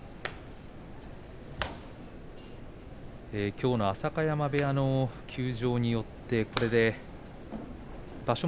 きょうの浅香山部屋の休場によってこれで場所